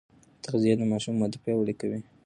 تغذيه د ماشوم وده پیاوړې کوي.